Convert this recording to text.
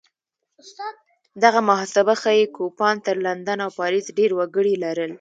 دغه محاسبه ښيي کوپان تر لندن او پاریس ډېر وګړي لرل.